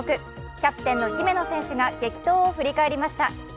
キャプテンの姫野選手が激闘を振り返りました